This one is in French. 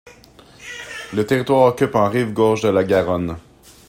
Le territoire occupe en rive gauche de la Garonne.